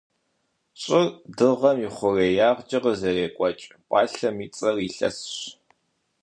Щӏыр Дыгъэм и хъуреягъкӏэ къызэрекӏуэкӏ пӏалъэм и цӏэр илъэсщ.